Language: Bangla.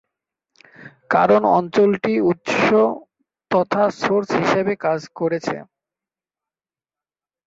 কারণ অঞ্চলটি উৎস তথা সোর্স হিসেবে কাজ করছে।